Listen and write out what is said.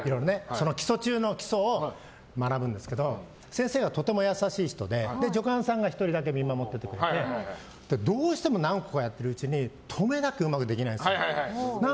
基礎中の基礎を学ぶんですけど先生がとても優しい人で助監さんが１人だけ見守っててくれてどうしても何個かやってるうちに止めだけうまくいかなくて。